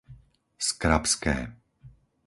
Skrabské